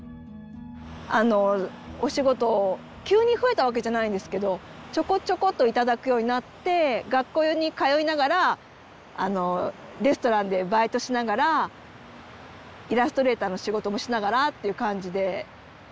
あのお仕事急に増えたわけじゃないんですけどちょこちょこと頂くようになって学校に通いながらレストランでバイトしながらイラストレーターの仕事もしながらっていう感じで。